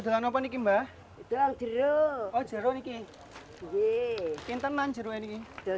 sanget ter kangat dan cantik